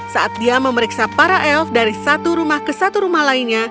saat dia memeriksa para elf dari satu rumah ke satu rumah lainnya